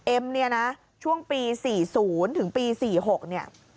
เอ็มช่วงปี๔๐ถึงปี๔๖